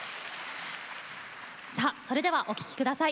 さあそれではお聴き下さい。